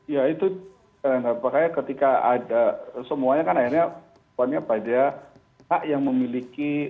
ya itu terhadap saya ketika ada semuanya kan akhirnya banyak saja hak yang memiliki